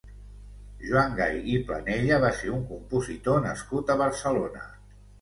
Joan Gay i Planella va ser un compositor nascut a Barcelona.